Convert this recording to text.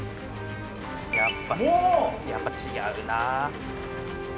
「やっぱやっぱ違うな」